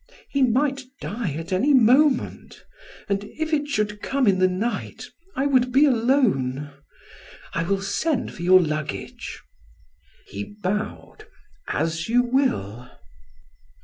He might die any moment, and if it should come in the night, I would be alone. I will send for your luggage." He bowed. "As you will."